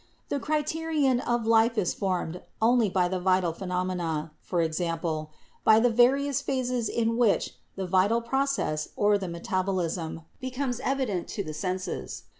The criterion of life is formed only by the vital phe nomena — i.e., by the various phases in which the vital process, or the metabolism, becomes evident to the senses.